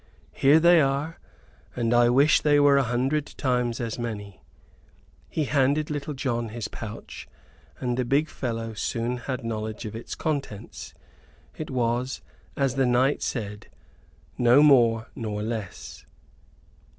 "Here they are, and I wish they were a hundred times as many." He handed Little John his pouch; and the big fellow soon had knowledge of its contents. It was as the knight said, no more nor less.